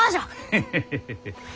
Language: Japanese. ヘヘヘヘヘ。